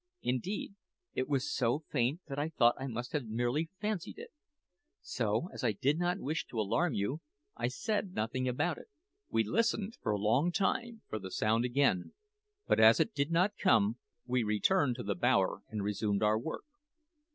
Indeed, it was so faint that I thought I must have merely fancied it; so, as I did not wish to alarm you, I said nothing about it." We listened for a long time for the sound again; but as it did not come, we returned to the bower and resumed our work.